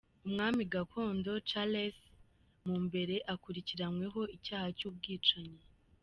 Umwami gakondo, Charles Mumbere, akurikiranyweho icyaha cy'ubwicanyi.